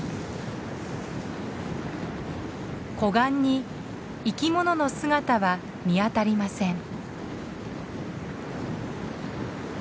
湖岸に生きものの姿は見当たりません。